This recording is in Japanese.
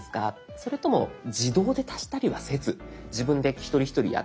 それとも「自動で足したりはせず自分で一人一人やってく」。